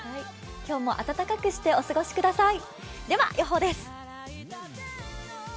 今日も暖かくしてお過ごしください。